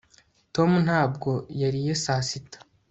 tom ntabwo yariye saa sita